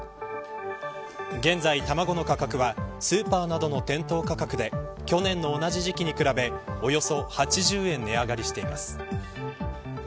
現在、卵の価格はスーパーなどの店頭価格で去年の同じ時期に比べおよそ８０円値上がりしています。